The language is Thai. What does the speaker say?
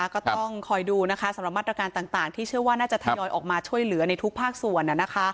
ก็ต้องคอยดูนะคะสำหรับมาตรการต่างที่เชื่อว่าน่าจะทยอยออกมาช่วยเหลือในทุกภาคส่วน